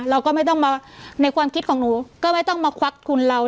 เราก็ไม่ต้องมาในความคิดของหนูก็ไม่ต้องมาควักทุนเรา